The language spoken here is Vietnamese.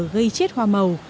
gây chết hoa màu